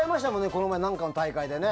この前、何かの大会でね。